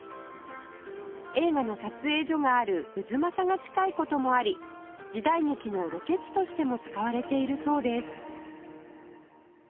映画の撮影所がある太秦が近い事もあり時代劇のロケ地としても使われているそうです